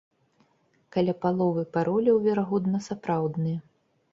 Каля паловы пароляў, верагодна, сапраўдныя.